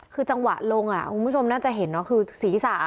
คือจังหวะลงคุณผู้ชมน่าจะเห็นเนอะคือศีรษะ